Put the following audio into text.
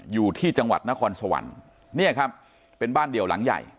อยู่ที่จังหวัดนครสวรรค์เนี่ยครับเป็นบ้านเดี่ยวหลังใหญ่